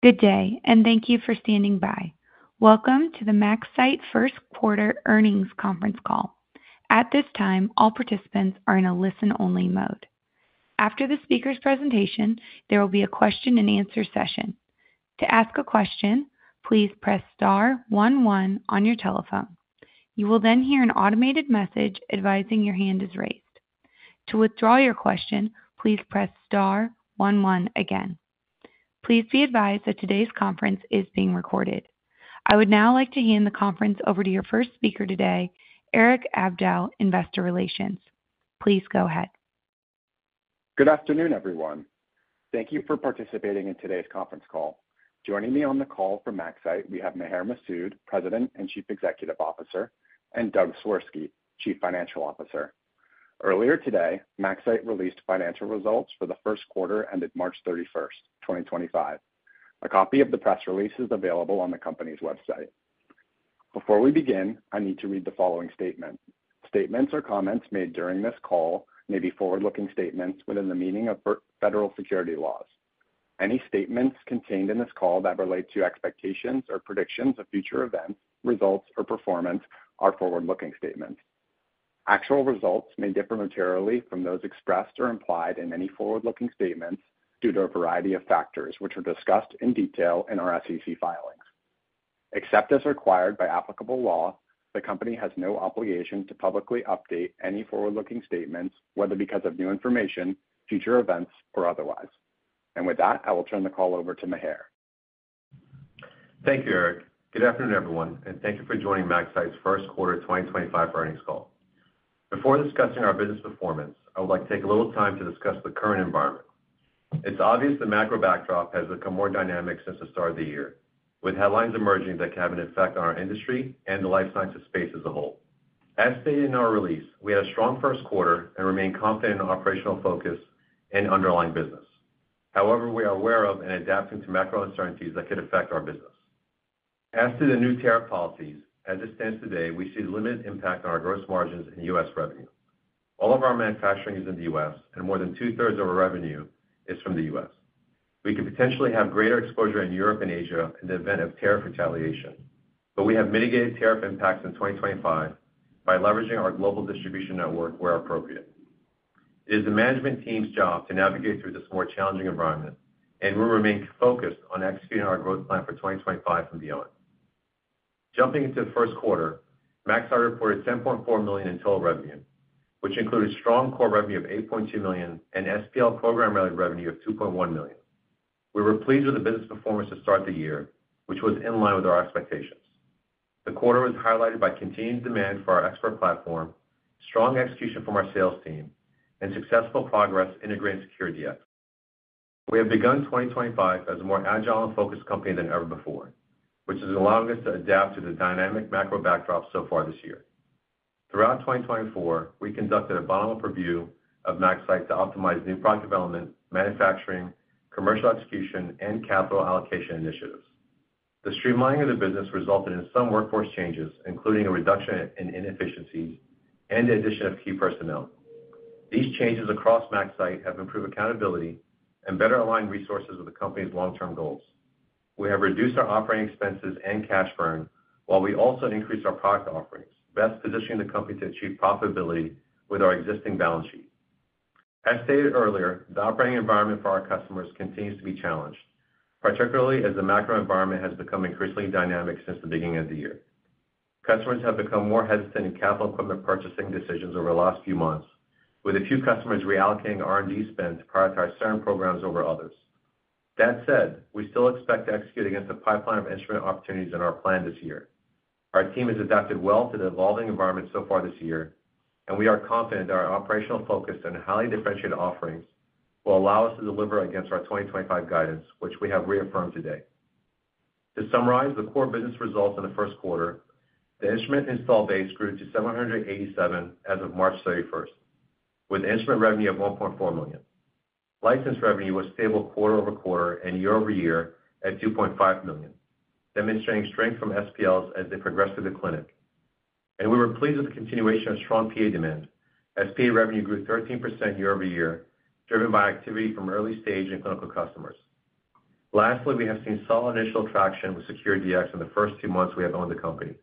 Good day, and thank you for standing by. Welcome to the MaxCyte first quarter earnings conference call. At this time, all participants are in a listen-only mode. After the speaker's presentation, there will be a question-and-answer session. To ask a question, please press star one one on your telephone. You will then hear an automated message advising your hand is raised. To withdraw your question, please press star one one again. Please be advised that today's conference is being recorded. I would now like to hand the conference over to your first speaker today, Eric Abdow, Investor Relations. Please go ahead. Good afternoon, everyone. Thank you for participating in today's conference call. Joining me on the call from MaxCyte, we have Maher Masoud, President and Chief Executive Officer, and Doug Swirsky, Chief Financial Officer. Earlier today, MaxCyte released financial results for the first quarter ended March 31, 2025. A copy of the press release is available on the company's website. Before we begin, I need to read the following statement. Statements or comments made during this call may be forward-looking statements within the meaning of federal security laws. Any statements contained in this call that relate to expectations or predictions of future events, results, or performance are forward-looking statements. Actual results may differ materially from those expressed or implied in any forward-looking statements due to a variety of factors, which are discussed in detail in our SEC filings. Except as required by applicable law, the company has no obligation to publicly update any forward-looking statements, whether because of new information, future events, or otherwise. With that, I will turn the call over to Maher. Thank you, Eric. Good afternoon, everyone, and thank you for joining MaxCyte's first quarter 2025 earnings call. Before discussing our business performance, I would like to take a little time to discuss the current environment. It's obvious the macro backdrop has become more dynamic since the start of the year, with headlines emerging that can have an effect on our industry and the life sciences space as a whole. As stated in our release, we had a strong first quarter and remain confident in our operational focus and underlying business. However, we are aware of and adapting to macro uncertainties that could affect our business. As to the new tariff policies, as it stands today, we see limited impact on our gross margins and U.S. revenue. All of our manufacturing is in the U.S., and more than two-thirds of our revenue is from the U.S. We could potentially have greater exposure in Europe and Asia in the event of tariff retaliation, but we have mitigated tariff impacts in 2025 by leveraging our global distribution network where appropriate. It is the management team's job to navigate through this more challenging environment, and we remain focused on executing our growth plan for 2025 and beyond. Jumping into the first quarter, MaxCyte reported $10.4 million in total revenue, which included strong core revenue of $8.2 million and SPL program revenue of $2.1 million. We were pleased with the business performance to start the year, which was in line with our expectations. The quarter was highlighted by continued demand for our ExPERT platform, strong execution from our sales team, and successful progress integrating SecureDX. We have begun 2025 as a more agile and focused company than ever before, which has allowed us to adapt to the dynamic macro backdrop so far this year. Throughout 2024, we conducted a bottom-up review of MaxCyte to optimize new product development, manufacturing, commercial execution, and capital allocation initiatives. The streamlining of the business resulted in some workforce changes, including a reduction in inefficiencies and the addition of key personnel. These changes across MaxCyte have improved accountability and better aligned resources with the company's long-term goals. We have reduced our operating expenses and cash burn, while we also increased our product offerings, best positioning the company to achieve profitability with our existing balance sheet. As stated earlier, the operating environment for our customers continues to be challenged, particularly as the macro environment has become increasingly dynamic since the beginning of the year. Customers have become more hesitant in capital equipment purchasing decisions over the last few months, with a few customers reallocating R&D spend to prioritize certain programs over others. That said, we still expect to execute against a pipeline of instrument opportunities in our plan this year. Our team has adapted well to the evolving environment so far this year, and we are confident that our operational focus and highly differentiated offerings will allow us to deliver against our 2025 guidance, which we have reaffirmed today. To summarize the core business results in the first quarter, the instrument install base grew to 787 as of March 31, with instrument revenue of $1.4 million. License revenue was stable quarter over quarter and year over year at $2.5 million, demonstrating strength from SPLs as they progressed through the clinic. We were pleased with the continuation of strong PA demand as PA revenue grew 13% year over year, driven by activity from early-stage and clinical customers. Lastly, we have seen solid initial traction with SecureDX in the first two months we have owned the company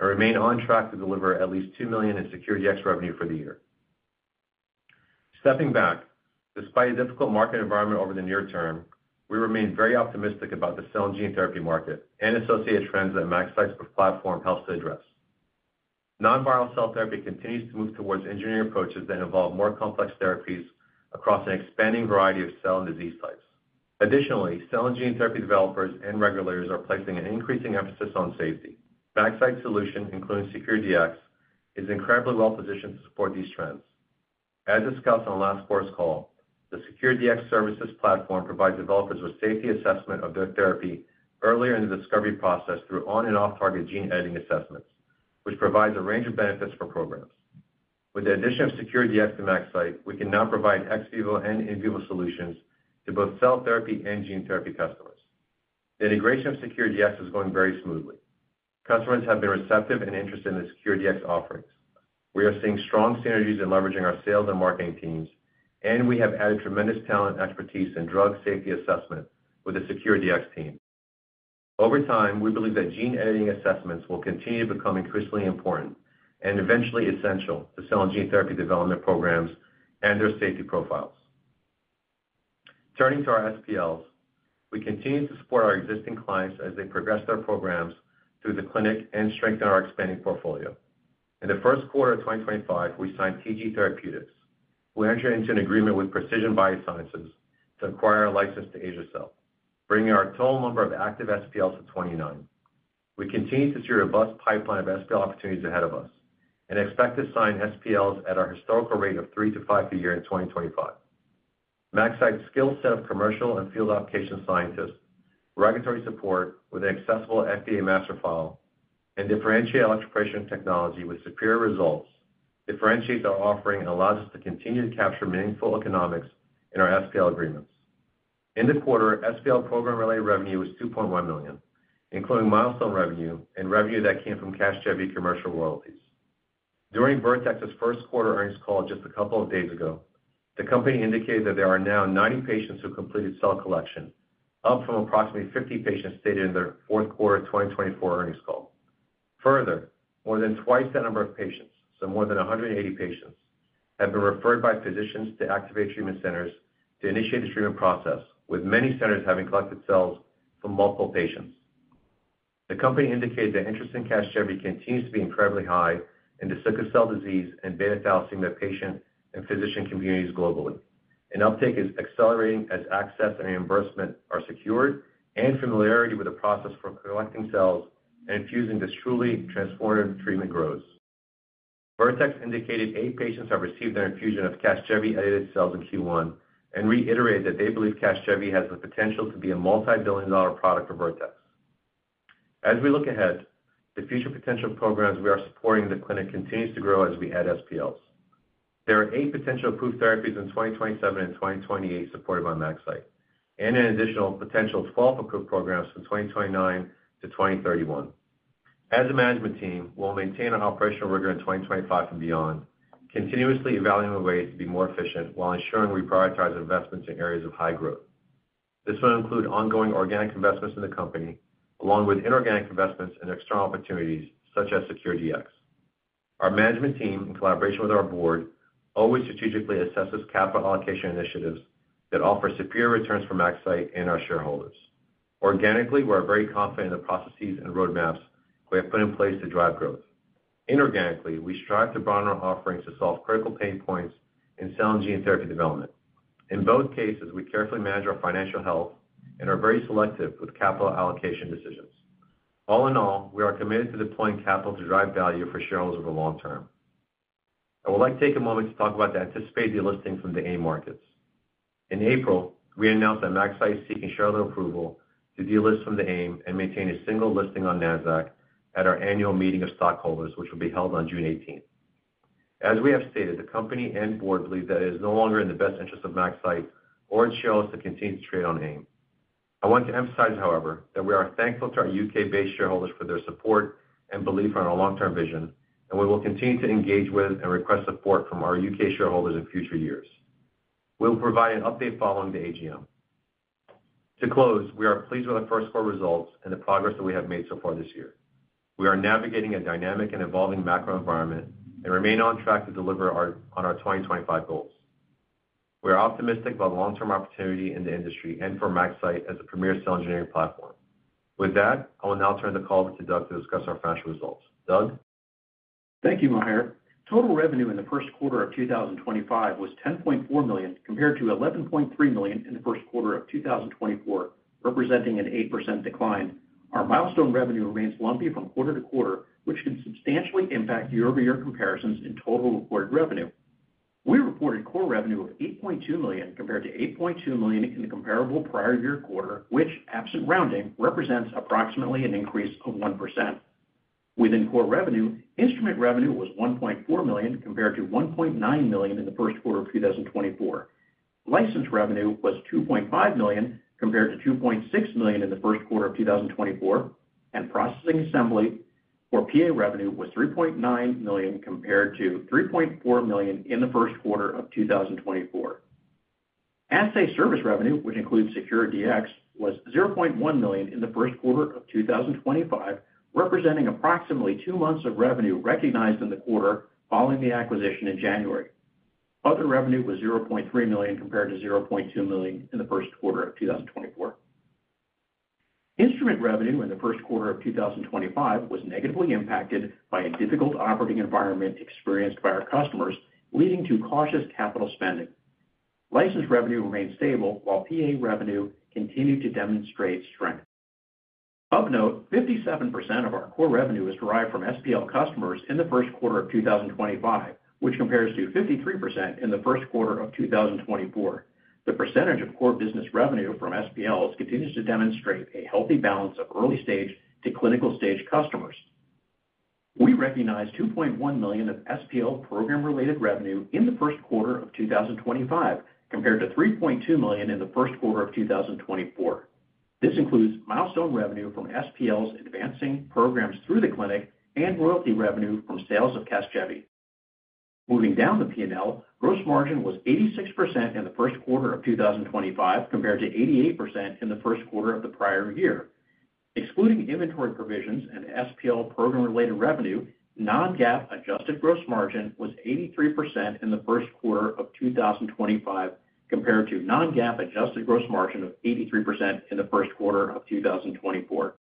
and remain on track to deliver at least $2 million in SecureDX revenue for the year. Stepping back, despite a difficult market environment over the near term, we remain very optimistic about the cell and gene therapy market and associated trends that MaxCyte's platform helps to address. Non-viral cell therapy continues to move towards engineering approaches that involve more complex therapies across an expanding variety of cell and disease types. Additionally, cell and gene therapy developers and regulators are placing an increasing emphasis on safety. MaxCyte's solution, including SecureDX, is incredibly well-positioned to support these trends. As discussed on the last course call, the SecureDX services platform provides developers with safety assessment of their therapy earlier in the discovery process through on- and off-target gene editing assessments, which provides a range of benefits for programs. With the addition of SecureDX to MaxCyte, we can now provide ex vivo and in vivo solutions to both cell therapy and gene therapy customers. The integration of SecureDX is going very smoothly. Customers have been receptive and interested in the SecureDX offerings. We are seeing strong synergies in leveraging our sales and marketing teams, and we have added tremendous talent and expertise in drug safety assessment with the SecureDX team. Over time, we believe that gene editing assessments will continue to become increasingly important and eventually essential to cell and gene therapy development programs and their safety profiles. Turning to our SPLs, we continue to support our existing clients as they progress their programs through the clinic and strengthen our expanding portfolio. In the first quarter of 2025, we signed TG Therapeutics. We entered into an agreement with Precision BioSciences to acquire a license to AsiaCell, bringing our total number of active SPLs to 29. We continue to see a robust pipeline of SPL opportunities ahead of us and expect to sign SPLs at our historical rate of three to five a year in 2025. MaxCyte's skill set of commercial and field application scientists, regulatory support with an accessible FDA master file, and differentiated electroporation technology with superior results differentiates our offering and allows us to continue to capture meaningful economics in our SPL agreements. In the quarter, SPL program-related revenue was $2.1 million, including milestone revenue and revenue that came from Casgevy commercial royalties. During Vertex's first quarter earnings call just a couple of days ago, the company indicated that there are now 90 patients who completed cell collection, up from approximately 50 patients stated in the fourth quarter 2024 earnings call. Further, more than twice that number of patients, so more than 180 patients, have been referred by physicians to Activate Treatment Centers to initiate the treatment process, with many centers having collected cells from multiple patients. The company indicated that interest in Casgevy continues to be incredibly high in the sickle cell disease and beta-thalassemia patient and physician communities globally. Uptake is accelerating as access and reimbursement are secured and familiarity with the process for collecting cells and infusing this truly transformative treatment grows. Vertex indicated eight patients have received their infusion of Casgevy-edited cells in Q1 and reiterated that they believe Casgevy has the potential to be a multi-billion dollar product for Vertex. As we look ahead, the future potential programs we are supporting in the clinic continue to grow as we add SPLs. There are eight potential approved therapies in 2027 and 2028 supported by MaxCyte, and an additional potential 12 approved programs from 2029-2031. As a management team, we'll maintain our operational rigor in 2025 and beyond, continuously evaluating ways to be more efficient while ensuring we prioritize investments in areas of high growth. This will include ongoing organic investments in the company, along with inorganic investments and external opportunities such as SecureDX. Our management team, in collaboration with our board, always strategically assesses capital allocation initiatives that offer superior returns for MaxCyte and our shareholders. Organically, we are very confident in the processes and roadmaps we have put in place to drive growth. Inorganically, we strive to broaden our offerings to solve critical pain points in cell and gene therapy development. In both cases, we carefully manage our financial health and are very selective with capital allocation decisions. All in all, we are committed to deploying capital to drive value for shareholders over the long term. I would like to take a moment to talk about the anticipated delisting from the AIM markets. In April, we announced that MaxCyte is seeking shareholder approval to delist from the AIM and maintain a single listing on NASDAQ at our annual meeting of stockholders, which will be held on June 18th. As we have stated, the company and board believe that it is no longer in the best interest of MaxCyte or its shareholders to continue to trade on AIM. I want to emphasize, however, that we are thankful to our U.K.-based shareholders for their support and belief in our long-term vision, and we will continue to engage with and request support from our U.K. shareholders in future years. We will provide an update following the AGM. To close, we are pleased with our first quarter results and the progress that we have made so far this year. We are navigating a dynamic and evolving macro environment and remain on track to deliver on our 2025 goals. We are optimistic about long-term opportunity in the industry and for MaxCyte as a premier cell engineering platform. With that, I will now turn the call over to Doug to discuss our financial results. Doug? Thank you, Maher. Total revenue in the first quarter of 2025 was $10.4 million compared to $11.3 million in the first quarter of 2024, representing an 8% decline. Our milestone revenue remains lumpy from quarter to quarter, which can substantially impact year-over-year comparisons in total reported revenue. We reported core revenue of $8.2 million compared to $8.2 million in the comparable prior year quarter, which, absent rounding, represents approximately an increase of 1%. Within core revenue, instrument revenue was $1.4 million compared to $1.9 million in the first quarter of 2024. License revenue was $2.5 million compared to $2.6 million in the first quarter of 2024, and processing assembly or PA revenue was $3.9 million compared to $3.4 million in the first quarter of 2024. Asset service revenue, which includes SecureDX, was $0.1 million in the first quarter of 2025, representing approximately two months of revenue recognized in the quarter following the acquisition in January. Other revenue was $0.3 million compared to $0.2 million in the first quarter of 2024. Instrument revenue in the first quarter of 2025 was negatively impacted by a difficult operating environment experienced by our customers, leading to cautious capital spending. License revenue remained stable, while PA revenue continued to demonstrate strength. Of note, 57% of our core revenue is derived from SPL customers in the first quarter of 2025, which compares to 53% in the first quarter of 2024. The percentage of core business revenue from SPLs continues to demonstrate a healthy balance of early-stage to clinical-stage customers. We recognize $2.1 million of SPL program-related revenue in the first quarter of 2025 compared to $3.2 million in the first quarter of 2024. This includes milestone revenue from SPLs advancing programs through the clinic and royalty revenue from sales of Casgevy. Moving down the P&L, gross margin was 86% in the first quarter of 2025 compared to 88% in the first quarter of the prior year. Excluding inventory provisions and SPL program-related revenue, non-GAAP adjusted gross margin was 83% in the first quarter of 2025 compared to non-GAAP adjusted gross margin of 83% in the first quarter of 2024.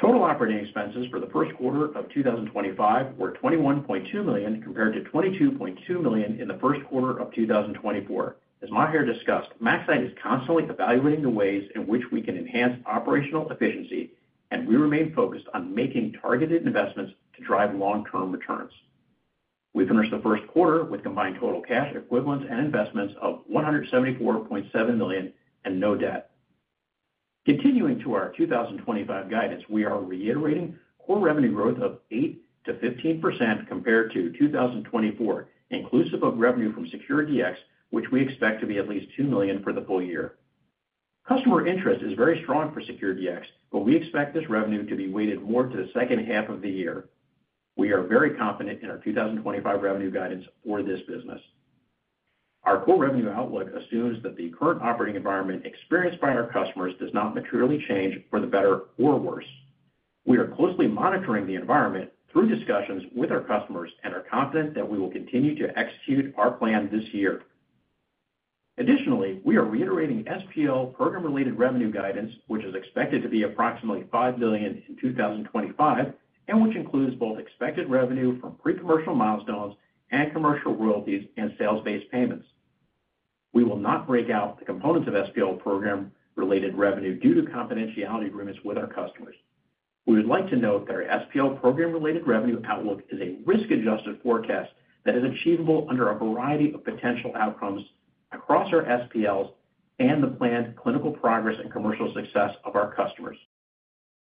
Total operating expenses for the first quarter of 2025 were $21.2 million compared to $22.2 million in the first quarter of 2024. As Maher discussed, MaxCyte is constantly evaluating the ways in which we can enhance operational efficiency, and we remain focused on making targeted investments to drive long-term returns. We finished the first quarter with combined total cash equivalents and investments of $174.7 million and no debt. Continuing to our 2025 guidance, we are reiterating core revenue growth of 8%-15% compared to 2024, inclusive of revenue from SecureDX, which we expect to be at least $2 million for the full year. Customer interest is very strong for SecureDX, but we expect this revenue to be weighted more to the second half of the year. We are very confident in our 2025 revenue guidance for this business. Our core revenue outlook assumes that the current operating environment experienced by our customers does not materially change for the better or worse. We are closely monitoring the environment through discussions with our customers and are confident that we will continue to execute our plan this year. Additionally, we are reiterating SPL program-related revenue guidance, which is expected to be approximately $5 million in 2025 and which includes both expected revenue from pre-commercial milestones and commercial royalties and sales-based payments. We will not break out the components of SPL program-related revenue due to confidentiality agreements with our customers. We would like to note that our SPL program-related revenue outlook is a risk-adjusted forecast that is achievable under a variety of potential outcomes across our SPLs and the planned clinical progress and commercial success of our customers.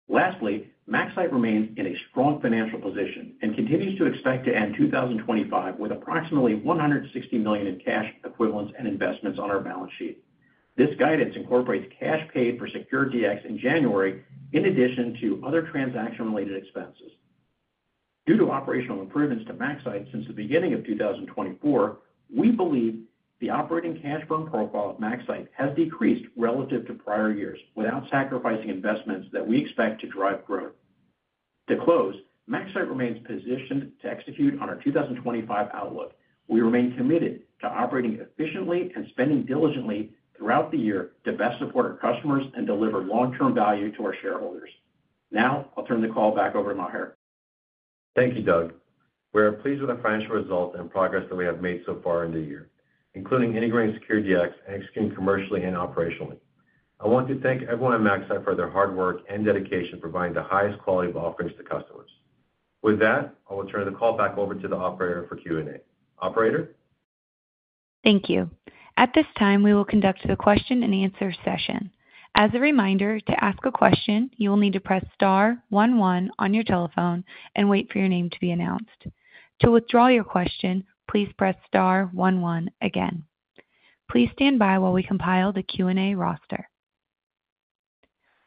Lastly, MaxCyte remains in a strong financial position and continues to expect to end 2025 with approximately $160 million in cash equivalents and investments on our balance sheet. This guidance incorporates cash paid for SecureDX in January, in addition to other transaction-related expenses. Due to operational improvements to MaxCyte since the beginning of 2024, we believe the operating cash burn profile of MaxCyte has decreased relative to prior years without sacrificing investments that we expect to drive growth. To close, MaxCyte remains positioned to execute on our 2025 outlook. We remain committed to operating efficiently and spending diligently throughout the year to best support our customers and deliver long-term value to our shareholders. Now, I'll turn the call back over to Maher. Thank you, Doug. We are pleased with the financial results and progress that we have made so far in the year, including integrating SecureDX and executing commercially and operationally. I want to thank everyone at MaxCyte for their hard work and dedication for providing the highest quality of offerings to customers. With that, I will turn the call back over to the operator for Q&A. Operator? Thank you. At this time, we will conduct the question-and-answer session. As a reminder, to ask a question, you will need to press star one one on your telephone and wait for your name to be announced. To withdraw your question, please press star one one again. Please stand by while we compile the Q&A roster.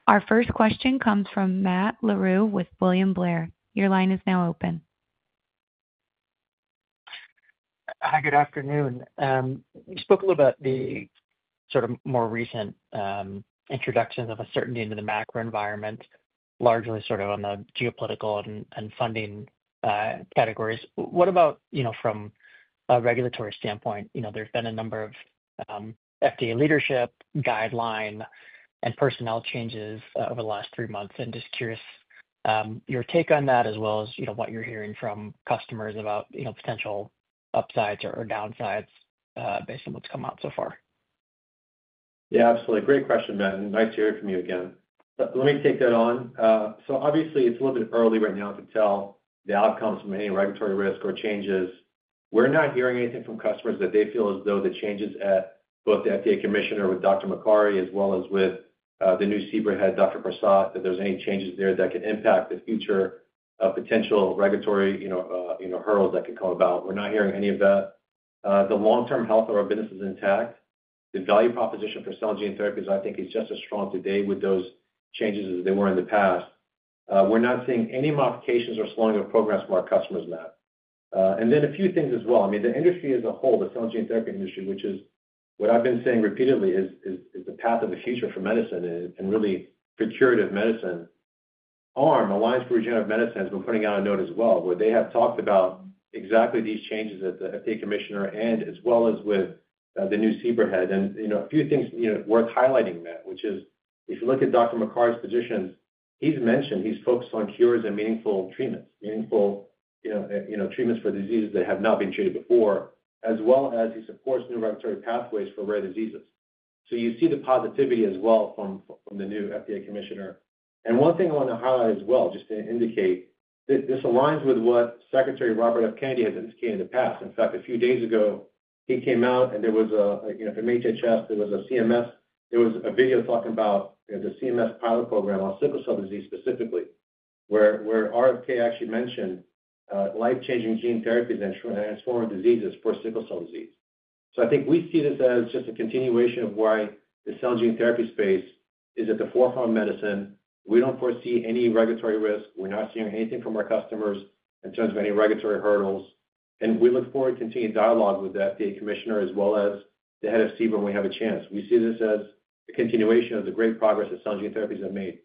Our first question comes from Matt Larew with William Blair. Your line is now open. Hi, good afternoon. You spoke a little about the sort of more recent introduction of a certainty into the macro environment, largely sort of on the geopolitical and funding categories. What about from a regulatory standpoint? There's been a number of FDA leadership guideline and personnel changes over the last three months. Just curious your take on that, as well as what you're hearing from customers about potential upsides or downsides based on what's come out so far. Yeah, absolutely. Great question, Ben. Nice to hear from you again. Let me take that on. Obviously, it's a little bit early right now to tell the outcomes from any regulatory risk or changes. We're not hearing anything from customers that they feel as though the changes at both the FDA Commissioner with Dr. Marty Makary, as well as with the new CBER head, Dr. Vinay Prasad, that there's any changes there that can impact the future of potential regulatory hurdles that could come about. We're not hearing any of that. The long-term health of our business is intact. The value proposition for cell and gene therapies, I think, is just as strong today with those changes as they were in the past. We're not seeing any modifications or slowing of programs from our customers now. A few things as well. I mean, the industry as a whole, the cell and gene therapy industry, which is what I've been saying repeatedly, is the path of the future for medicine and really for curative medicine. ARM, Alliance for Regenerative Medicine, has been putting out a note as well, where they have talked about exactly these changes at the FDA Commissioner and as well as with the new CBER head. A few things worth highlighting, Matt, which is if you look at Dr. Makary's positions, he's mentioned he's focused on cures and meaningful treatments, meaningful treatments for diseases that have not been treated before, as well as he supports new regulatory pathways for rare diseases. You see the positivity as well from the new FDA Commissioner. One thing I want to highlight as well, just to indicate, this aligns with what Secretary Robert F. Kennedy has indicated in the past. In fact, a few days ago, he came out and there was a from HHS, there was a CMS, there was a video talking about the CMS pilot program on sickle cell disease specifically, where RFK actually mentioned life-changing gene therapies and transforming diseases for sickle cell disease. I think we see this as just a continuation of why the cell and gene therapy space is at the forefront of medicine. We do not foresee any regulatory risk. We are not seeing anything from our customers in terms of any regulatory hurdles. We look forward to continued dialogue with the FDA Commissioner, as well as the head of CBER when we have a chance. We see this as a continuation of the great progress that cell and gene therapies have made.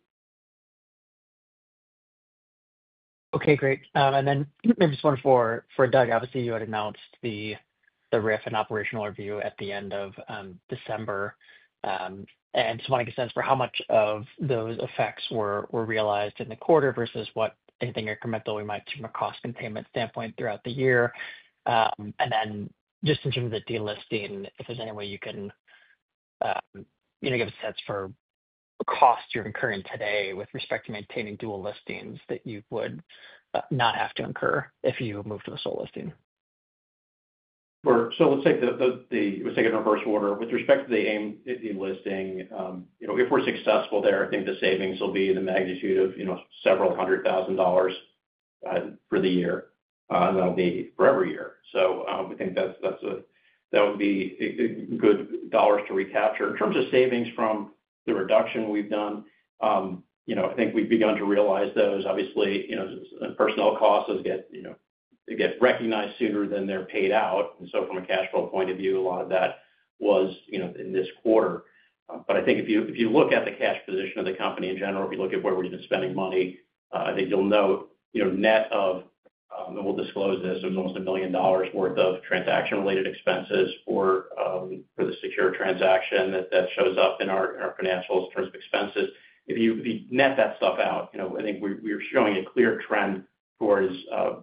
Okay, great. Maybe just one for Doug. Obviously, you had announced the RIF and operational review at the end of December. I just want to get a sense for how much of those effects were realized in the quarter versus what anything incremental we might see from a cost containment standpoint throughout the year. Just in terms of the delisting, if there's any way you can give a sense for costs you're incurring today with respect to maintaining dual listings that you would not have to incur if you moved to a sole listing. Sure. Let's take it in reverse order. With respect to the AIM delisting, if we're successful there, I think the savings will be in the magnitude of several hundred thousand dollars for the year, and that'll be for every year. I think that would be good dollars to recapture. In terms of savings from the reduction we've done, I think we've begun to realize those. Obviously, personnel costs get recognized sooner than they're paid out. From a cash flow point of view, a lot of that was in this quarter. I think if you look at the cash position of the company in general, if you look at where we've been spending money, I think you'll note net of, and we'll disclose this, there's almost $1 million worth of transaction-related expenses for the SecureDX transaction that shows up in our financials in terms of expenses. If you net that stuff out, I think we're showing a clear trend towards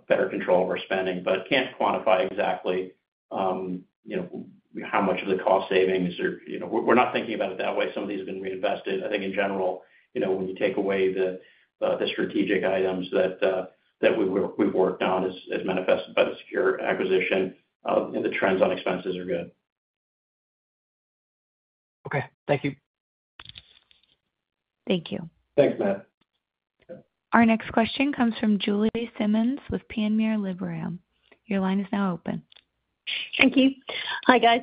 better control of our spending, but can't quantify exactly how much of the cost savings. We're not thinking about it that way. Some of these have been reinvested. I think in general, when you take away the strategic items that we've worked on as manifested by the SecureDX acquisition, the trends on expenses are good. Okay. Thank you. Thank you. Thanks, Matt. Our next question comes from Julie Simmonds with Panmure Liberum. Your line is now open. Thank you. Hi, guys.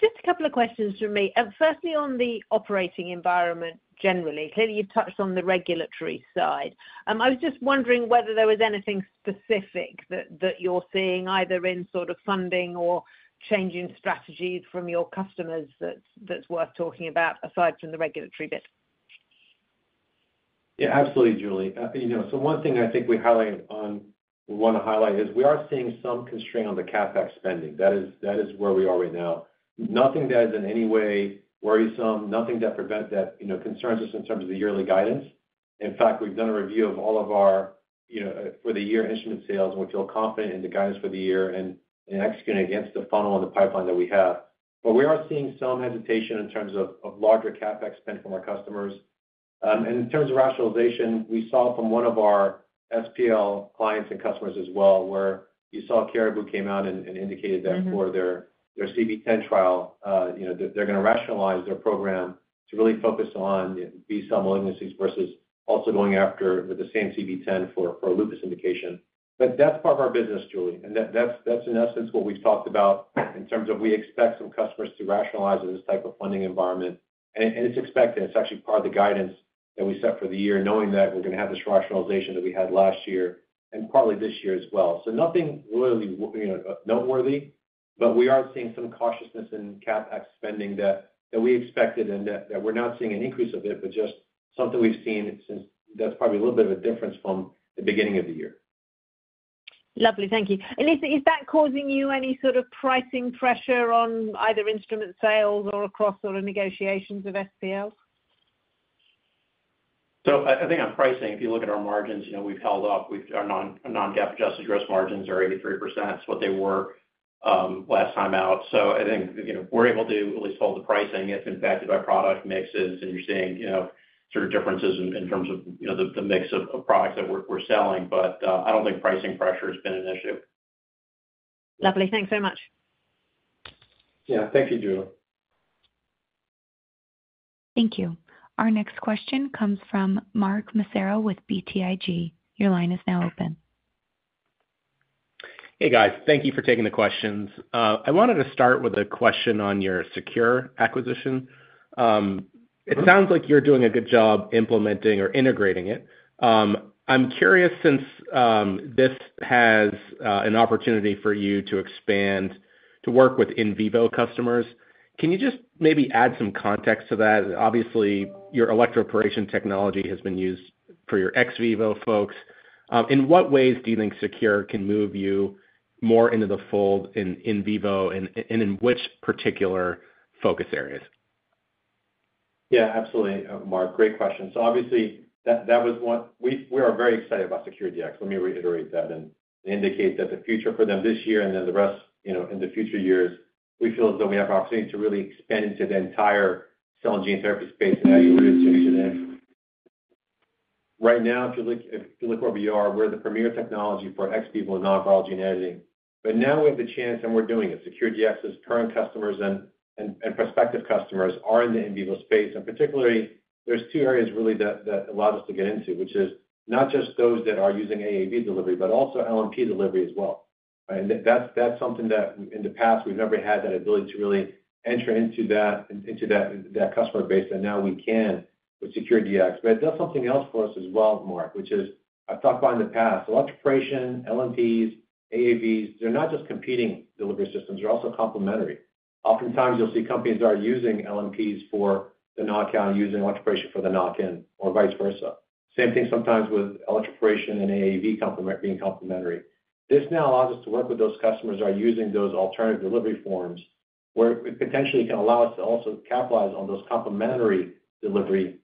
Just a couple of questions for me. Firstly, on the operating environment generally, clearly you've touched on the regulatory side. I was just wondering whether there was anything specific that you're seeing either in sort of funding or changing strategies from your customers that's worth talking about aside from the regulatory bit. Yeah, absolutely, Julie. So one thing I think we want to highlight is we are seeing some constraint on the CapEx spending. That is where we are right now. Nothing that is in any way worrisome, nothing that concerns us in terms of the yearly guidance. In fact, we've done a review of all of our for-the-year instrument sales, and we feel confident in the guidance for the year and executing against the funnel and the pipeline that we have. But we are seeing some hesitation in terms of larger CapEx spend from our customers. In terms of rationalization, we saw from one of our SPL clients and customers as well where you saw Caribou came out and indicated that for their CB10 trial, they're going to rationalize their program to really focus on B-cell malignancies versus also going after with the same CB10 for lupus indication. That is part of our business, Julie. That is in essence what we have talked about in terms of we expect some customers to rationalize in this type of funding environment. It is expected. It is actually part of the guidance that we set for the year, knowing that we are going to have this rationalization that we had last year and partly this year as well. Nothing really noteworthy, but we are seeing some cautiousness in CapEx spending that we expected and that we are not seeing an increase of it, but just something we have seen since that is probably a little bit of a difference from the beginning of the year. Lovely. Thank you. Is that causing you any sort of pricing pressure on either instrument sales or across sort of negotiations with SPLs? I think on pricing, if you look at our margins, we've held up. Our non-GAAP adjusted gross margins are 83%. That's what they were last time out. I think we're able to at least hold the pricing if impacted by product mixes and you're seeing sort of differences in terms of the mix of products that we're selling. I don't think pricing pressure has been an issue. Lovely. Thanks very much. Yeah. Thank you, Julie. Thank you. Our next question comes from Mark Masaro with BTIG. Your line is now open. Hey, guys. Thank you for taking the questions. I wanted to start with a question on your SecureDX acquisition. It sounds like you're doing a good job implementing or integrating it. I'm curious since this has an opportunity for you to expand to work with in-vivo customers. Can you just maybe add some context to that? Obviously, your electroporation technology has been used for your ex-vivo folks. In what ways do you think SecureDX can move you more into the fold in in-vivo and in which particular focus areas? Yeah, absolutely, Mark. Great question. Obviously, that was one we are very excited about, SecureDX. Let me reiterate that and indicate that the future for them this year and then the rest in the future years, we feel as though we have an opportunity to really expand into the entire cell and gene therapy space as you were just mentioning. Right now, if you look where we are, we are the premier technology for ex vivo and non-viral gene editing. Now we have the chance, and we are doing it. SecureDX's current customers and prospective customers are in the in vivo space. Particularly, there are two areas really that allowed us to get into, which is not just those that are using AAV delivery, but also LNP delivery as well. That is something that in the past, we have never had that ability to really enter into that customer base. We can now with SecureDX. It does something else for us as well, Mark, which is I've talked about in the past. Electroporation, LNPs, AAVs, they're not just competing delivery systems. They're also complementary. Oftentimes, you'll see companies that are using LNPs for the knockout, using electroporation for the knock-in, or vice versa. Same thing sometimes with electroporation and AAV being complementary. This now allows us to work with those customers that are using those alternative delivery forms where it potentially can allow us to also capitalize on those complementary delivery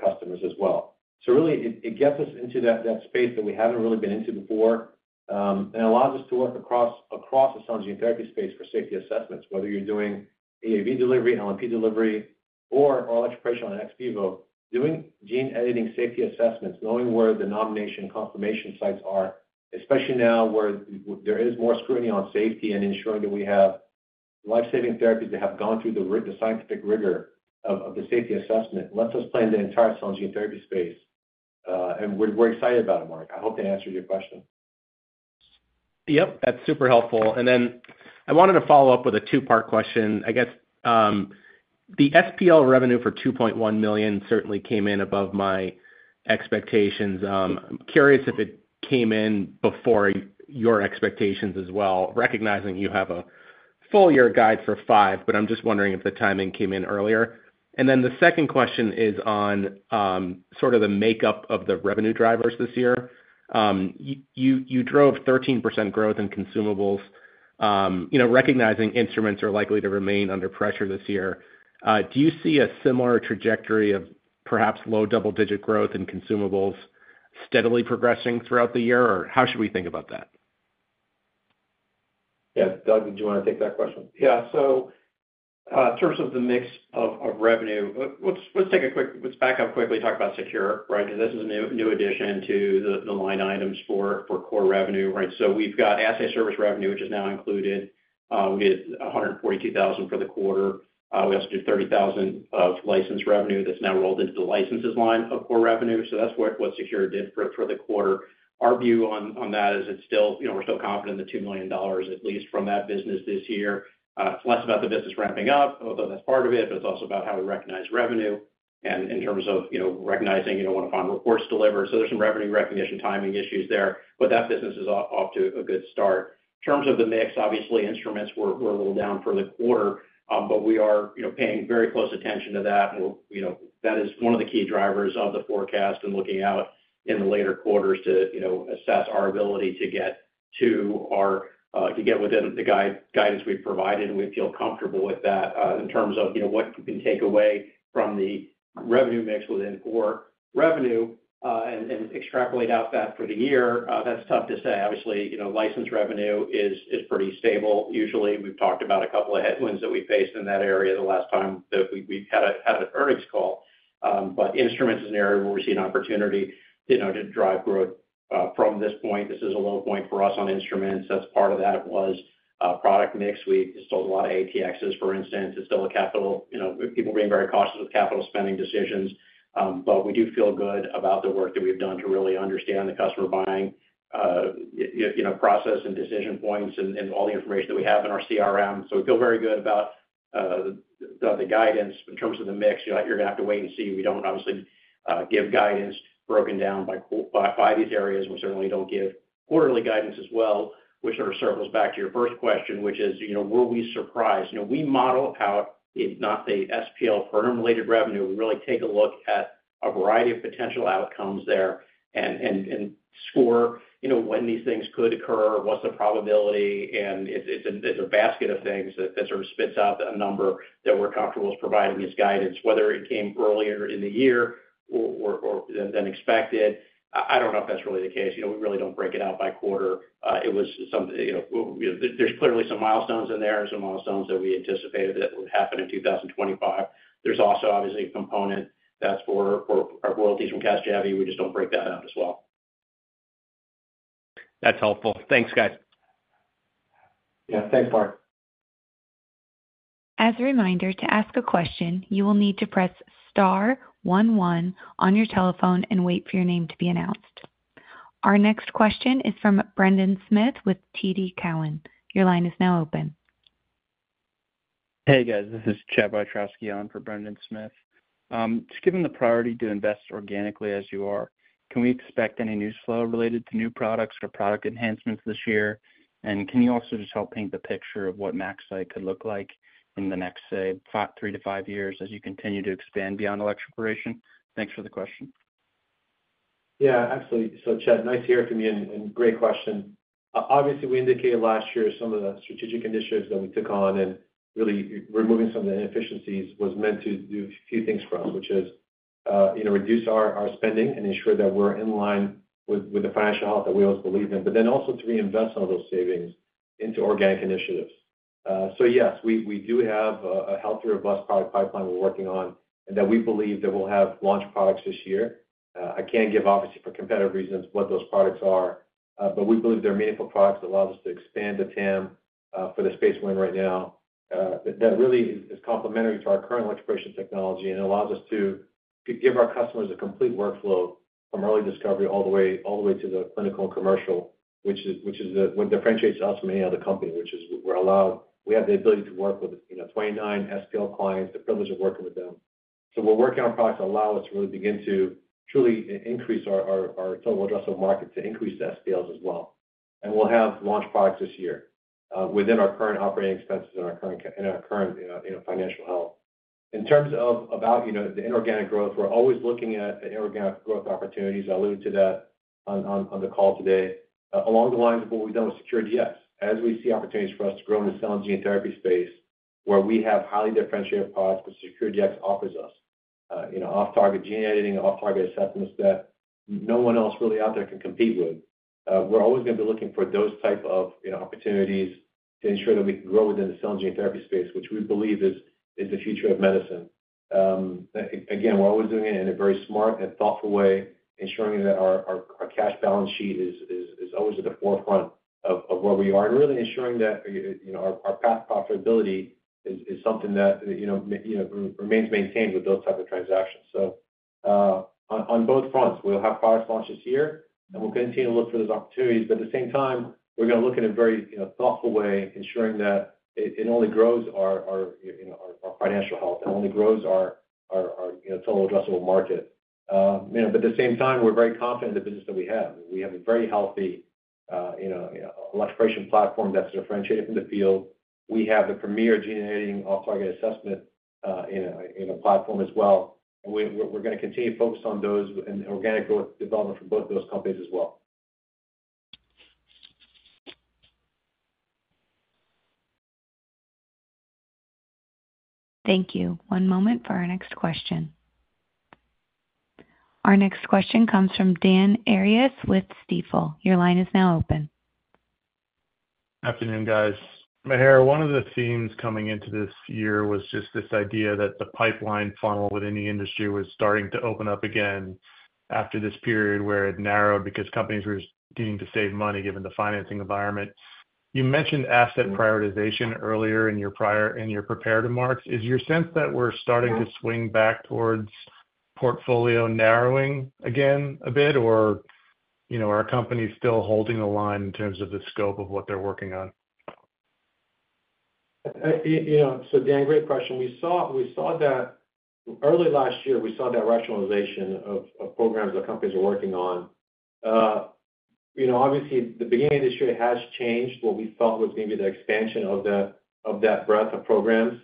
customers as well. It gets us into that space that we have not really been into before and allows us to work across the cell and gene therapy space for safety assessments, whether you are doing AAV delivery, LNP delivery, or electroporation on ex vivo, doing gene editing safety assessments, knowing where the nomination confirmation sites are, especially now where there is more scrutiny on safety and ensuring that we have life-saving therapies that have gone through the scientific rigor of the safety assessment, lets us play in the entire cell and gene therapy space. We are excited about it, Mark. I hope that answered your question. Yep. That's super helpful. I wanted to follow up with a two-part question. I guess the SPL revenue for $2.1 million certainly came in above my expectations. I'm curious if it came in above your expectations as well, recognizing you have a full year guide for $5 million, but I'm just wondering if the timing came in earlier. The second question is on sort of the makeup of the revenue drivers this year. You drove 13% growth in consumables, recognizing instruments are likely to remain under pressure this year. Do you see a similar trajectory of perhaps low double-digit growth in consumables steadily progressing throughout the year, or how should we think about that? Yeah. Doug, did you want to take that question? Yeah. In terms of the mix of revenue, let's back up quickly and talk about SecureDX, right? Because this is a new addition to the line items for core revenue, right? We've got asset service revenue, which is now included. We did $142,000 for the quarter. We also did $30,000 of license revenue that's now rolled into the licenses line of core revenue. That's what SecureDX did for the quarter. Our view on that is we're still confident in the $2 million, at least, from that business this year. It's less about the business ramping up, although that's part of it, but it's also about how we recognize revenue and in terms of recognizing when the final report is delivered. There are some revenue recognition timing issues there, but that business is off to a good start. In terms of the mix, obviously, instruments were a little down for the quarter, but we are paying very close attention to that. That is one of the key drivers of the forecast and looking out in the later quarters to assess our ability to get within the guidance we have provided. We feel comfortable with that in terms of what we can take away from the revenue mix within core revenue and extrapolate that for the year. That is tough to say. Obviously, license revenue is pretty stable. Usually, we have talked about a couple of headwinds that we faced in that area the last time that we had an earnings call. Instruments is an area where we see an opportunity to drive growth from this point. This is a low point for us on instruments. Part of that was product mix. We installed a lot of ATXs, for instance. It is still a capital people being very cautious with capital spending decisions. We do feel good about the work that we have done to really understand the customer buying process and decision points and all the information that we have in our CRM. We feel very good about the guidance. In terms of the mix, you are going to have to wait and see. We do not obviously give guidance broken down by these areas. We certainly do not give quarterly guidance as well, which sort of circles back to your first question, which is, were we surprised? We model out not the SPL firm-related revenue. We really take a look at a variety of potential outcomes there and score when these things could occur, what is the probability. It is a basket of things that sort of spits out a number that we are comfortable with providing as guidance, whether it came earlier in the year than expected. I do not know if that is really the case. We really do not break it out by quarter. It was something, there are clearly some milestones in there and some milestones that we anticipated that would happen in 2025. There is also obviously a component that is for our royalties from Casgevy. We just do not break that out as well. That's helpful. Thanks, guys. Yeah. Thanks, Mark. As a reminder, to ask a question, you will need to press star 1 1 on your telephone and wait for your name to be announced. Our next question is from Brendan Smith with TD Cowen. Your line is now open. Hey, guys. This is Chad Wiatrowski on for Brendan Smith. Just given the priority to invest organically as you are, can we expect any new flow related to new products or product enhancements this year? Can you also just help paint the picture of what MaxCyte could look like in the next, say, three to five years as you continue to expand beyond electroporation? Thanks for the question. Yeah, absolutely. Chad, nice to hear from you and great question. Obviously, we indicated last year some of the strategic initiatives that we took on and really removing some of the inefficiencies was meant to do a few things for us, which is reduce our spending and ensure that we're in line with the financial health that we always believe in, but then also to reinvest some of those savings into organic initiatives. Yes, we do have a healthy, robust product pipeline we're working on and that we believe that we'll have launch products this year. I can't give, obviously, for competitive reasons what those products are, but we believe they're meaningful products that allow us to expand the TAM for the space we're in right now that really is complementary to our current electroporation technology and allows us to give our customers a complete workflow from early discovery all the way to the clinical and commercial, which is what differentiates us from any other company, which is we're allowed we have the ability to work with 29 SPL clients, the privilege of working with them. We're working on products that allow us to really begin to truly increase our total addressable market to increase the SPLs as well. We'll have launch products this year within our current operating expenses and our current financial health. In terms of about the inorganic growth, we're always looking at inorganic growth opportunities. I alluded to that on the call today along the lines of what we've done with SecureDX. As we see opportunities for us to grow in the cell and gene therapy space where we have highly differentiated products, but SecureDX offers us off-target gene editing, off-target assessments that no one else really out there can compete with. We're always going to be looking for those types of opportunities to ensure that we can grow within the cell and gene therapy space, which we believe is the future of medicine. Again, we're always doing it in a very smart and thoughtful way, ensuring that our cash balance sheet is always at the forefront of where we are and really ensuring that our path profitability is something that remains maintained with those types of transactions. On both fronts, we'll have product launches here, and we'll continue to look for those opportunities. At the same time, we're going to look in a very thoughtful way, ensuring that it only grows our financial health and only grows our total addressable market. At the same time, we're very confident in the business that we have. We have a very healthy electroporation platform that's differentiated from the field. We have the premier gene editing off-target assessment platform as well. We're going to continue to focus on those and organic growth development for both those companies as well. Thank you. One moment for our next question. Our next question comes from Dan Arias with Stifel. Your line is now open. Good afternoon, guys. Maher, one of the themes coming into this year was just this idea that the pipeline funnel within the industry was starting to open up again after this period where it narrowed because companies were needing to save money given the financing environment. You mentioned asset prioritization earlier in your prepared remarks. Is your sense that we're starting to swing back towards portfolio narrowing again a bit, or are companies still holding the line in terms of the scope of what they're working on? Dan, great question. We saw that early last year, we saw that rationalization of programs that companies are working on. Obviously, the beginning of this year has changed what we thought was going to be the expansion of that breadth of programs.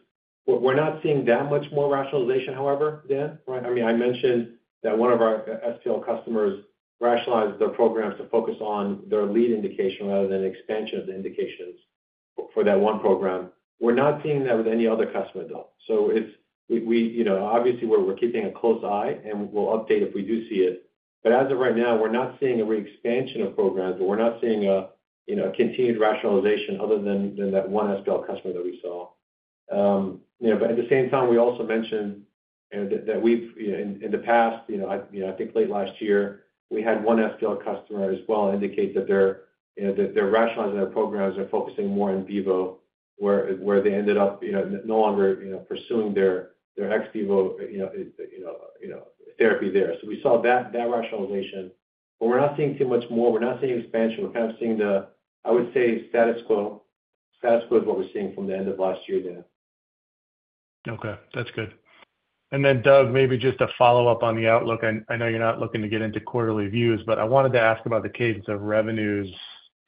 We're not seeing that much more rationalization, however, Dan. I mean, I mentioned that one of our SPL customers rationalized their programs to focus on their lead indication rather than expansion of the indications for that one program. We're not seeing that with any other customer, though. Obviously, we're keeping a close eye, and we'll update if we do see it. As of right now, we're not seeing a re-expansion of programs, but we're not seeing a continued rationalization other than that one SPL customer that we saw. At the same time, we also mentioned that in the past, I think late last year, we had one SPL customer as well indicate that they're rationalizing their programs and focusing more in vivo, where they ended up no longer pursuing their ex vivo therapy there. We saw that rationalization. We're not seeing too much more. We're not seeing expansion. We're kind of seeing the, I would say, status quo. Status quo is what we're seeing from the end of last year, Dan. Okay. That's good. Then, Doug, maybe just a follow-up on the outlook. I know you're not looking to get into quarterly views, but I wanted to ask about the cadence of revenues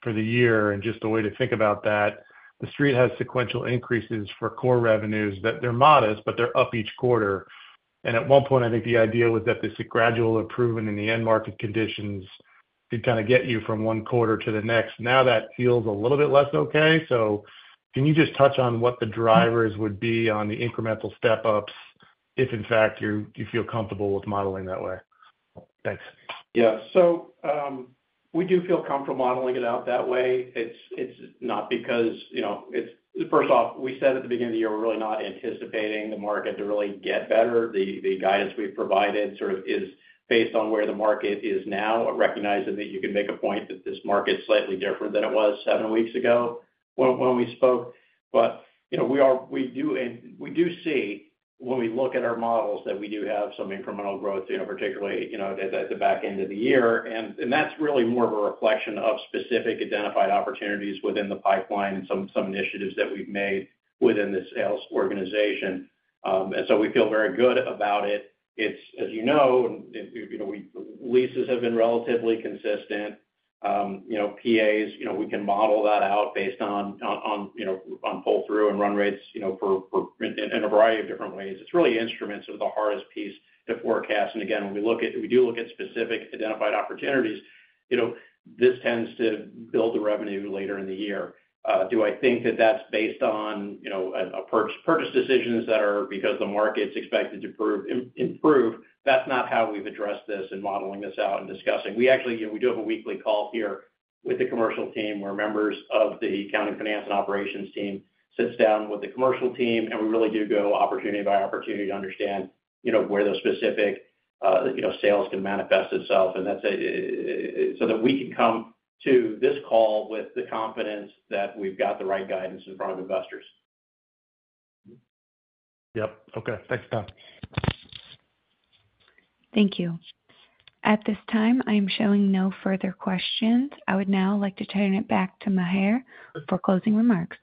for the year and just the way to think about that. The Street has sequential increases for core revenues that they're modest, but they're up each quarter. At one point, I think the idea was that this would gradually improve in the end market conditions to kind of get you from one quarter to the next. Now that feels a little bit less okay. Can you just touch on what the drivers would be on the incremental step-ups if, in fact, you feel comfortable with modeling that way? Thanks. Yeah. So we do feel comfortable modeling it out that way. It's not because first off, we said at the beginning of the year, we're really not anticipating the market to really get better. The guidance we've provided sort of is based on where the market is now, recognizing that you can make a point that this market's slightly different than it was seven weeks ago when we spoke. We do see, when we look at our models, that we do have some incremental growth, particularly at the back end of the year. That's really more of a reflection of specific identified opportunities within the pipeline and some initiatives that we've made within the sales organization. We feel very good about it. As you know, leases have been relatively consistent. PAs, we can model that out based on pull-through and run rates in a variety of different ways. It's really instruments are the hardest piece to forecast. Again, when we look at, we do look at specific identified opportunities, this tends to build the revenue later in the year. Do I think that that's based on purchase decisions that are because the market's expected to improve? That's not how we've addressed this in modeling this out and discussing. We actually do have a weekly call here with the commercial team where members of the accounting, finance, and operations team sit down with the commercial team, and we really do go opportunity by opportunity to understand where the specific sales can manifest itself so that we can come to this call with the confidence that we've got the right guidance in front of investors. Yep. Okay. Thanks, Dan. Thank you. At this time, I am showing no further questions. I would now like to turn it back to Maher for closing remarks.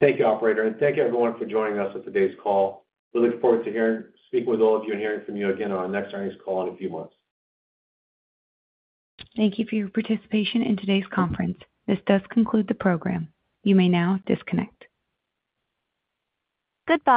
Thank you, operator. Thank you, everyone, for joining us at today's call. We look forward to speaking with all of you and hearing from you again on our next earnings call in a few months. Thank you for your participation in today's conference. This does conclude the program. You may now disconnect.